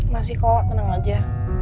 masih kok tenang aja